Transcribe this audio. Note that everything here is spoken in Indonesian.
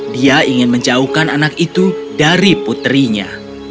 dia ingin menjauhkan anak itu dari putrinya